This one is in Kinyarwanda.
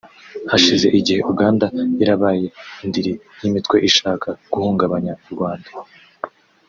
Hashize igihe Uganda yarabaye indiri y’imitwe ishaka guhungabanya u Rwanda